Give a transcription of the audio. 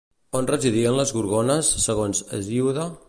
On residien les Gorgones, segons Hesíode?